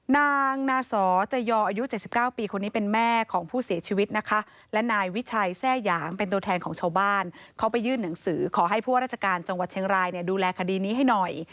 นางนาสอจยออายุ๗๙ปีคนนี้เป็นแม่ของผู้เสียชีวิตนะคะและนายวิชัยแทร่หยางเป็นตัวแทนของชาวบ้านเขาไปยื่นหนังสือขอให้ผู้ว่าราชการจังหวัดเชียงรายเนี่ยดูแลคดีนี้ให้หน่อย